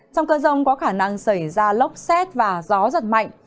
trong cơn rông có khả năng xảy ra lốc xét và gió giật mạnh